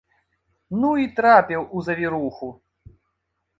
Ну і трапіў у завіруху!